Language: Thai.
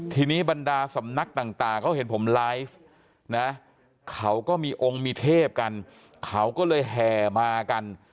ทีนี้บรรดาสำนักต่างเขาเห็นผมไลฟ์นะเขาก็มีองค์มีเทพกันเขาก็เลยแห่มากัน